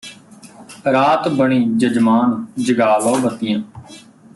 ਰਾਤ ਬਣੀਂ ਜਜਮਾਨ ਜਗਾ ਲਉ ਬੱਤੀਆਂ